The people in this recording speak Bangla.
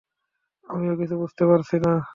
আমিও কিছু বুঝতে পারছি না!